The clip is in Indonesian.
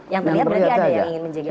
yang terlihat berarti ada yang ingin menjaga